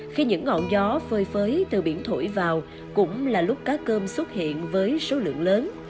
khi những ngọn gió phơi phới từ biển thổi vào cũng là lúc cá cơm xuất hiện với số lượng lớn